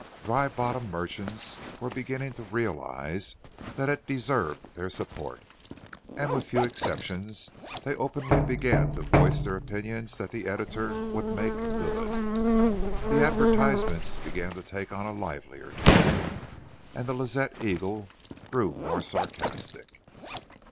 Dry Bottom merchants were beginning to realize that it deserved their support, and with few exceptions they openly began to voice their opinions that the editor would "make good."' The advertisements began to take on a livelier tone and the Lazette Eagle grew more sarcastic.